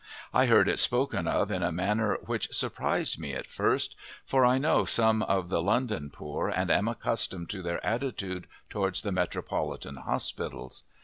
I heard it spoken of in a manner which surprised me at first, for I know some of the London poor and am accustomed to their attitude towards the metropolitan hospitals.